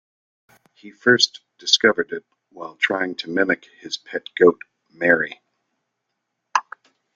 He first discovered it while trying to mimic his pet goat Mary.